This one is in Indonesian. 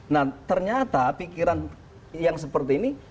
nah ternyata pikiran yang seperti ini